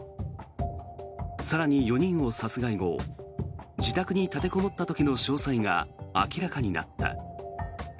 更に、４人を殺害後自宅に立てこもった時の詳細が明らかになった。